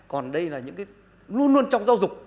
còn đây là những cái luôn luôn trong giáo dục